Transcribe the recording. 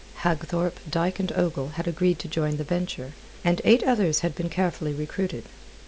Hagthorpe, Dyke, and Ogle had agreed to join the venture, and eight others had been carefully recruited.